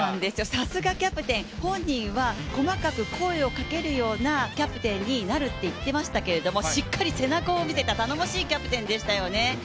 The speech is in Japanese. さすがキャプテン、本人は細かく声をかけるようなキャプテンになるって言っていましたけどしっかり背中を見せた、頼もしいキャプテンでしたよね。